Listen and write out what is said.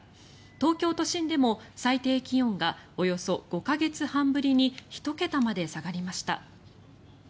東京都心でも最低気温がおよそ５か月半ぶりに１桁まで下がりました。